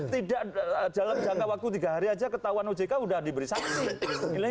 tidak dalam jangka waktu tiga hari aja ketahuan ojk udah diberi saham sih